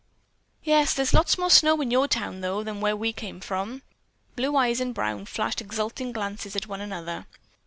"Yes, there's lots more snow in your town, though, than where we came from." Blue eyes and brown flashed exulting glances at one another.